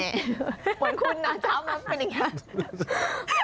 เหมือนคุณเช้ามาเป็นอย่างนี้